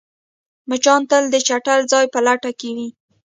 مچان تل د چټل ځای په لټه کې وي